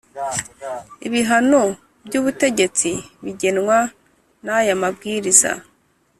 ibihano by ubutegetsi bigenwa n aya mabwiriza